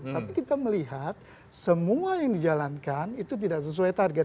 tapi kita melihat semua yang dijalankan itu tidak sesuai target